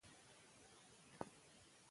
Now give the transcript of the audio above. موږ باید له ناهیلۍ څخه ډډه وکړو.